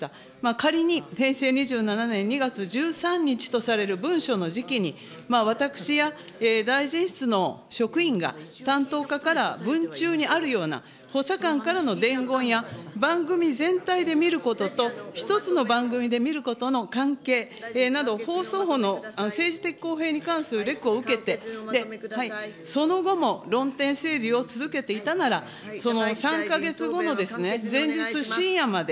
仮に平成２７年２月１３日とされる文書の時期に、私や大臣室の職員が、担当課から文中にあるような補佐官からの伝言や、番組全体で見ることと一つの番組で見ることの関係など、放送法の政治的公平に関するレクを受けて、その後も論点整理を続けていたなら、その３か月後、前日深夜まで、